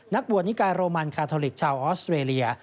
บวชนิกายโรมันคาทอลิกชาวออสเตรเลีย